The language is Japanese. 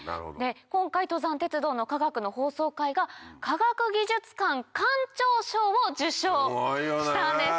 今回登山鉄道の科学の放送回が科学技術館館長賞を受賞したんです。